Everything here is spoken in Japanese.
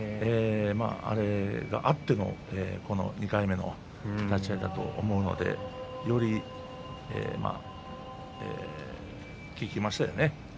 あれがあっての２回目の立ち合いだと思うのでより効きましたよね。